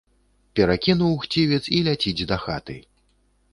Перакінуў хцівец і ляціць дахаты.